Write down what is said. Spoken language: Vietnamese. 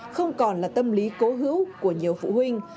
không còn là tâm lý cố hữu của nhiều phụ huynh